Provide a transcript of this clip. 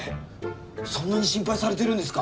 そんなに心配されてるんですか？